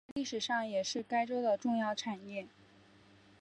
在历史上也是该州的重要产业。